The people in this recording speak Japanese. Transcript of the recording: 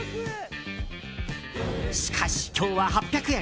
しかし、今日は８００円。